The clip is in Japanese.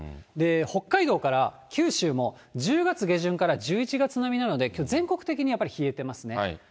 北海道から九州も、１０月下旬から１１月並みなので、きょう全国的にやっぱり冷えていますね。